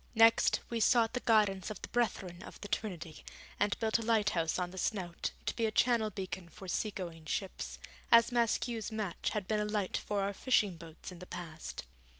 Next, we sought the guidance of the Brethren of the Trinity, and built a lighthouse on the Snout, to be a Channel beacon for sea going ships, as Maskew's match had been a light for our fishing boats in the past.